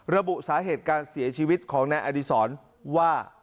ระบุสาเหตุการเสียชีวิตของนายอดีศรว่า